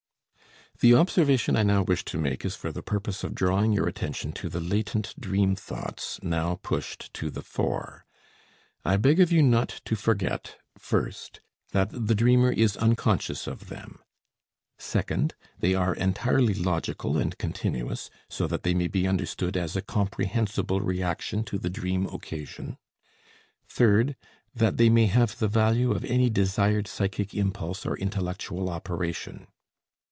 The observation I now wish to make is for the purpose of drawing your attention to the latent, dream thoughts, now pushed to the fore. I beg of you not to forget first, that the dreamer is unconscious of them, second, they are entirely logical and continuous, so that they may be understood as a comprehensible reaction to the dream occasion, third, that they may have the value of any desired psychic impulse or intellectual operation.